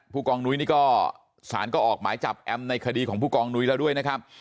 ผู้กองนุ้ยนี่ก็สารก็ออกหมายจับแอมในคดีของผู้กองนุ้ยแล้วด้วยนะครับ